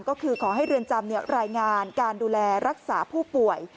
ก็คือขอให้เรือนจำรายงานการดูแลรักษาผู้ป่วย